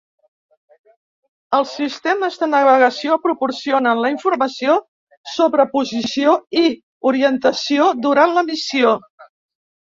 Els sistemes de navegació proporcionen la informació sobre posició i orientació durant la missió.